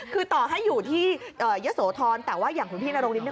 คือต่อให้อยู่ที่ยะโสธรแต่ว่าอย่างคุณพี่นรงฤทธ